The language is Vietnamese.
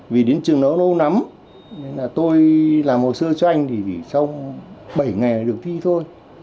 vì đến trường nó lâu lắm tôi làm hồ sơ cho anh thì sau bảy ngày được thi thôi